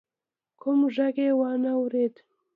کوم غږ يې وانه ورېد.